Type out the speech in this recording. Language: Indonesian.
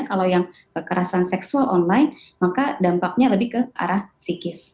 kalau yang kekerasan seksual online maka dampaknya lebih ke arah psikis